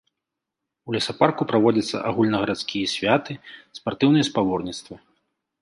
У лесапарку праводзяцца агульнагарадскія святы, спартыўныя спаборніцтвы.